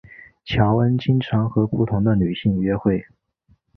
乔恩经常和不同的女性约会。